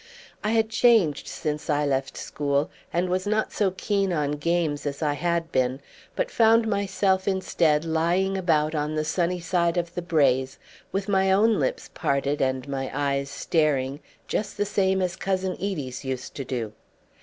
I had changed since I left school, and was not so keen on games as I had been, but found myself instead lying about on the sunny side of the braes, with my own lips parted and my eyes staring just the same as Cousin Edie's used to do.